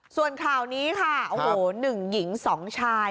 ส่วนคราวนี้ค่ะโอ้โหหนึ่งหญิงสองชาย